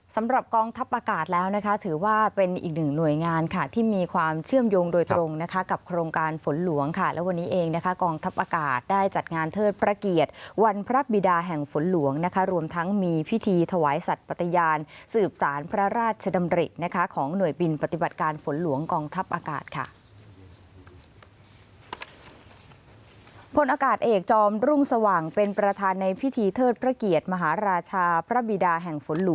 สำหรับกองทัพอากาศแล้วนะคะถือว่าเป็นอีกหนึ่งหน่วยงานค่ะที่มีความเชื่อมโยงโดยตรงนะคะกับโครงการฝนหลวงค่ะและวันนี้เองนะคะกองทัพอากาศได้จัดงานเทิดพระเกียรติวันพระบิดาแห่งฝนหลวงนะคะรวมทั้งมีพิธีถวายสัตว์ปฏิญาณสืบสารพระราชดำรินะคะของหน่วยบินปฏิบัติการฝนหลวงกองทัพอากาศค่ะ